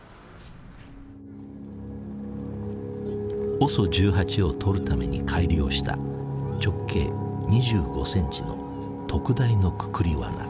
ＯＳＯ１８を捕るために改良した直径２５センチの特大のくくりワナ。